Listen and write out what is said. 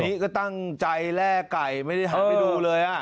นี่ก็ตั้งใจแลกไก่ไม่ได้ทำให้ดูเลย